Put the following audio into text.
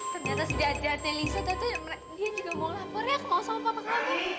ternyata sedia sedia lisa tata yang merendah juga mau lapor ya kemau sama papa kata